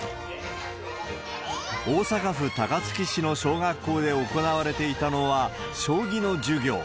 大阪府高槻市の小学校で行われていたのは、将棋の授業。